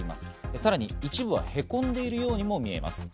さらに一部はへこんでいるようにも見えます。